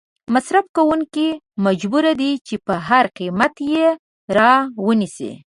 مصرف کوونکې مجبور دي چې په هر قیمت یې را ونیسي.